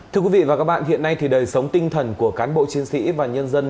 thưa quý vị và các bạn hiện nay thì đời sống tinh thần của cán bộ chiến sĩ và nhân dân